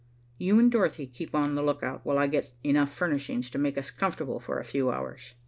You and Dorothy keep on the lookout, while I get enough furnishings to make us comfortable for a few hours."